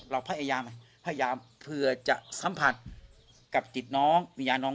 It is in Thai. เราพยายามเผื่อจะสัมผัสกับจิตน้องวิญญาณน้อง